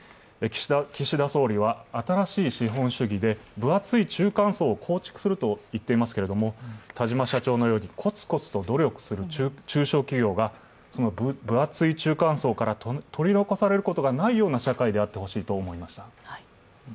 岸田総理は新しい資本主義で分厚い中間層を構築すると言っていますけれども田島社長のようにコツコツと努力する中小企業がその分厚い中間層から取り残されることがないような社会であってほしいと思いました。